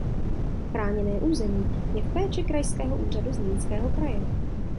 Chráněné území je v péči Krajského úřadu Zlínského kraje.